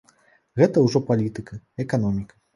Гэта ўжо палітыка, эканоміка.